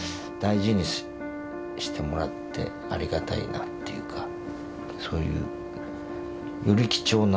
大事にしてもらってありがたいなっていうか。